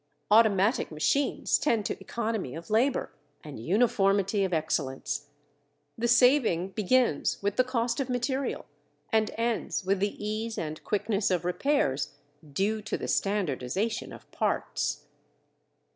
Automatic machines tend to economy of labor and uniformity of excellence. The saving begins with the cost of material and ends with the ease and quickness of repairs due to the standardization of parts.